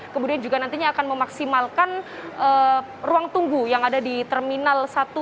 kemudian juga nantinya akan memaksimalkan ruang tunggu yang ada di terminal satu